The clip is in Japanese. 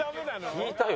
引いたよ。